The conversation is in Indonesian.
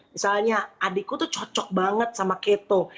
misalnya adikku tuh cocok banget sama keto